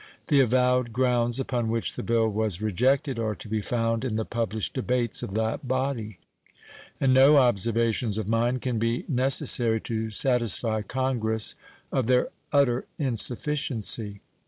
The avowed grounds upon which the bill was rejected are to be found in the published debates of that body, and no observations of mine can be necessary to satisfy Congress of their utter insufficiency.